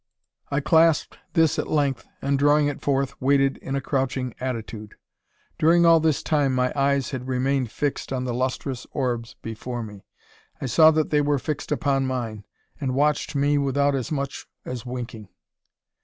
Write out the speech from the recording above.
I clasped this at length, and drawing it forth, waited in a crouching attitude. During all this time my eyes had remained fixed on the lustrous orbs before me. I saw that they were fixed upon mine, and watched me without as much as winking.